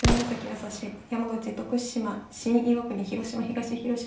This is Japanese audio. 厚狭新山口徳山新岩国広島東広島